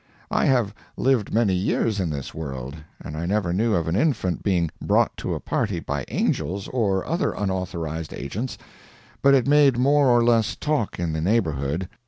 I have lived many years in this world, and I never knew of an infant being brought to a party by angels, or other unauthorized agents, but it made more or less talk in the neighborhood.